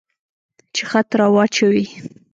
چې خط را واچوي.